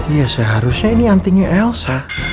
ya seharusnya ini antinya elsa